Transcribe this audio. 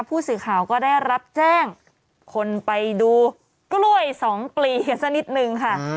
ผู้สื่อข่าวก็ได้รับแจ้งคนไปดูกล้วยสองกลีกันสักนิดนึงค่ะ